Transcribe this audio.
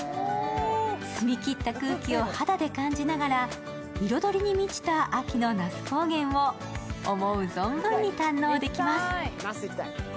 澄みきった空気を肌で感じながら彩りに満ちた秋の那須高原を思う存分に堪能できます。